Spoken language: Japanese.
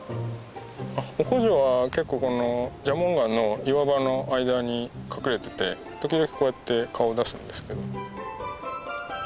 オコジョは結構この蛇紋岩の岩場の間に隠れてて時々こうやって顔出すんですけど。